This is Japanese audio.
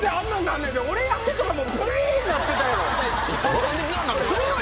俺やってたらブイーンなってたよ。